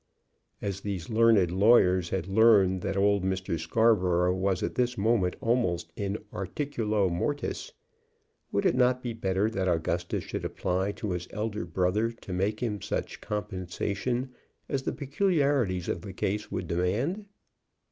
As these learned lawyers had learned that old Mr. Scarborough was at this moment almost in articulo mortis, would it not be better that Augustus should apply to his elder brother to make him such compensation as the peculiarities of the case would demand?